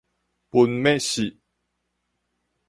分蜢薛